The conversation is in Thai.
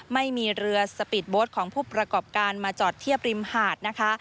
ไม่มีเรือสปีดโบสต์ของผู้ประกอบการมาจอดเทียบริมหาดนะคะ